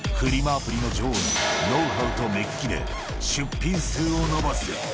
アプリの女王のノウハウと目利きで出品数を伸ばす。